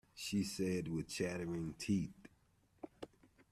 She said with chattering teeth.